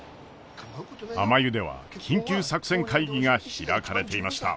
あまゆでは緊急作戦会議が開かれていました。